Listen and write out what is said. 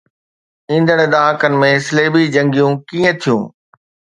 ايندڙ ڏهاڪن ۾ صليبي جنگيون ڪيئن ٿيون؟